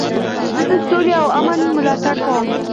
زه د سولي او امن ملاتړ کوم.